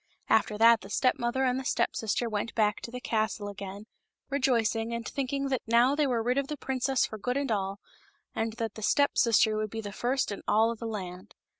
After that the step mother and the step sister went back to the castle again, rejoicing and thinking that now they were rid of the princess for good and all, and that the step sister would be the first in all of the land.